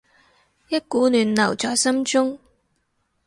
一股暖流在心中